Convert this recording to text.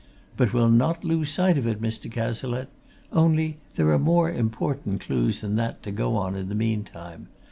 But we'll not lose sight of it, Mr. Cazalette only, there are more important clues than that to go on in the meantime.